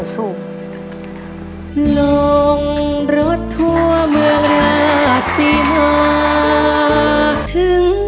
สู้